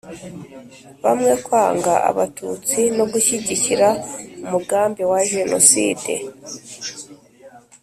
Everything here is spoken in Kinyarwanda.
bamwe kwanga abatutsi no gushyigikira umugambi wa jenoside.